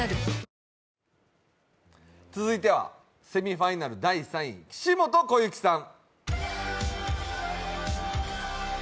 続いてはセミファイナル第３位、岸本小雪さん。